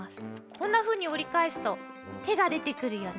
こんなふうにおりかえすとてがでてくるよね。